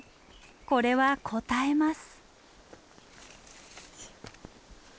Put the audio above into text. これはこたえます。